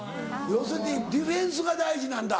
要するにディフェンスが大事なんだ